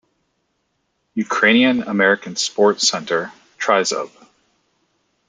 Ukrainian American Sports Centre - Tryzub.